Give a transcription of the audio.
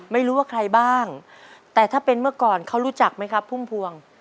ไม่รู้ว่าใครบ้างแต่ถ้าเป็นเมื่อก่อนเขารู้จักไหมครับพุ่มพวง